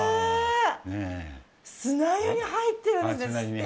砂湯に入ってるんですね。